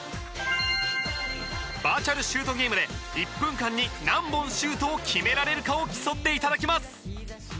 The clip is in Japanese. バーチャル・シュートゲームで１分間に何本シュートを決められるかを競って頂きます。